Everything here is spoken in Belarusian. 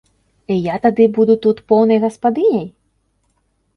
Я тады буду тут поўнай гаспадыняй?